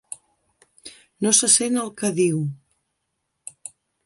No se sent el que diu.